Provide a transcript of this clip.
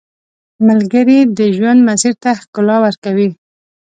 ملګری د ژوند مسیر ته ښکلا ورکوي